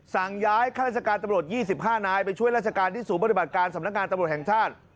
สั่งย้ายข้าราชการตำรวจ๒๕นายไปช่วยราชการที่ศูนย์ปฏิบัติการสำนักงานตำรวจแห่งชาติ